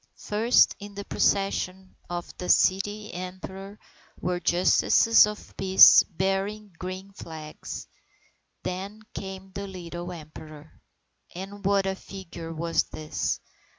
First in the procession of the Child Emperor, were justices of the peace bearing green flags. Then came the little Emperor. And what a figure was this!